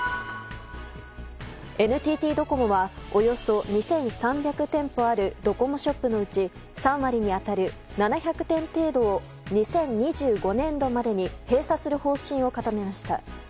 ＮＴＴドコモはおよそ２３００店舗あるドコモショップのうち３割に当たる７００店程度を２０２５年度までに閉鎖する方針を固めました。